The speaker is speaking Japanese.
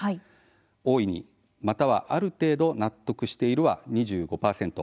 大いに、またはある程度納得しているは２５％。